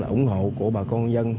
ủng hộ của bà con dân